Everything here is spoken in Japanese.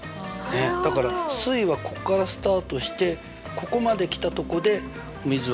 だから水位はここからスタートしてここまで来たとこで水はあふれていく。